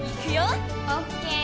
オッケー。